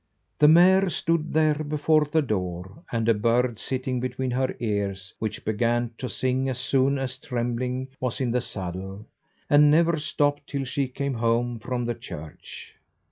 The mare stood there before the door, and a bird sitting between her ears, which began to sing as soon as Trembling was in the saddle, and never stopped till she came home from the church.